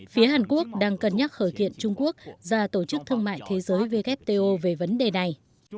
phía hàn quốc đang cân nhắc khởi kiện trung quốc ra tổ chức thương mại thế giới wto về vấn đề này